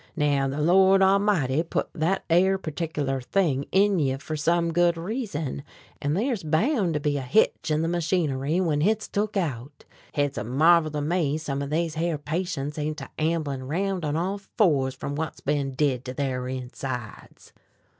Now the Lord A'mighty put thet air pertickler thing in you fer some good reason, an' ther's bound to be a hitch in the machinery when hit's took out. Hit's a marvel to me some of these here patients ain't a amblin' round on all fours from what's been did to their insides!"